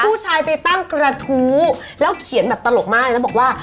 ผู้ชายไปตั้งกระทู้แล้วเขียนแบบตลกมากแล้วบอกว่า